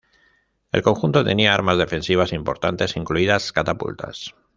El conjunto tenía armas defensivas importantes, incluidas catapultas.